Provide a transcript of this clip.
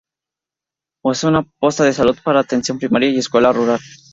Posee una posta de salud para atención primaria y una escuela rural.